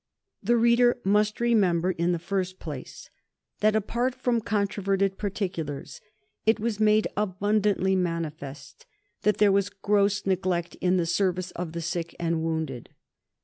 The reader must remember, in the first place, that, apart from controverted particulars, it was made abundantly manifest that there was gross neglect in the service of the sick and wounded.